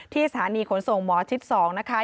สถานีขนส่งหมอชิด๒นะคะ